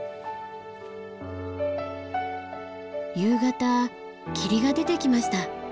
夕方霧が出てきました。